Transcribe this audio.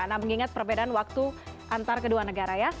nah mengingat perbedaan waktu antar kedua negara ya